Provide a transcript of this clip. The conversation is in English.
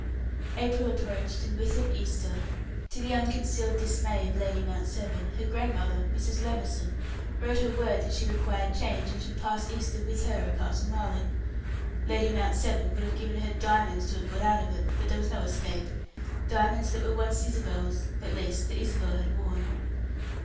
April approached and with it Easter. To the unconcealed dismay of Lady Mount Severn, her grandmother, Mrs. Levison, wrote her word that she required change, and should pass Easter with her at Castle Marling. Lady Mount Severn would have given her diamonds to have got out of it, but there was no escape diamonds that were once Isabel's at least, that Isabel had worn.